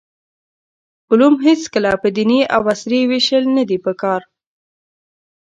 علوم هېڅکله په دیني او عصري ویشل ندي پکار.